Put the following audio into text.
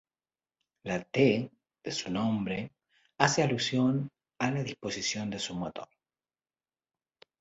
La "T" de su nombre hace alusión a la disposición de su motor.